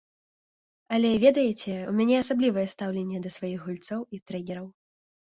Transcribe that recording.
Але, ведаеце, у мяне асаблівае стаўленне да сваіх гульцоў і трэнераў.